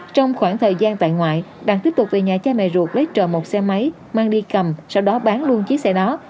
trong khoảng thời gian tại ngoại đặng tiếp tục về nhà cha mẹ ruột lấy chờ một xe máy mang đi cầm sau đó bán luôn chiếc xe đó